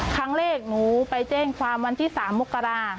ครั้งแรกหนูไปแจ้งความวันที่๓มกรา